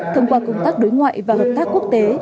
thông qua công tác đối ngoại và hợp tác quốc tế